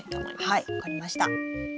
はい分かりました。